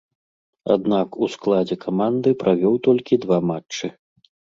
Аднак, у складзе каманды правёў толькі два матчы.